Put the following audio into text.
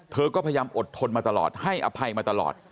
เธอก็พยายามอดทนมาตลอดให้อภัยมาตลอด